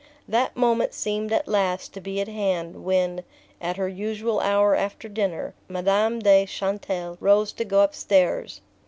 That moment seemed at last to be at hand when, at her usual hour after dinner, Madame de Chantelle rose to go upstairs.